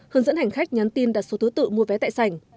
hướng dẫn hành khách nhắn tin đặt số thứ tự mua vé tại sảnh